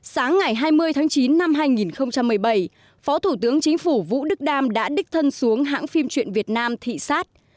sáng ngày hai mươi tháng chín năm hai nghìn một mươi bảy phó thủ tướng chính phủ vũ đức đam đã đích thân xuống hãng phim truyện việt nam thị sát